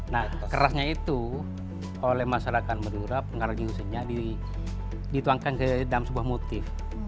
nah kerasnya itu oleh masyarakat madura pengharga dituangkan ke dalam sebuah motif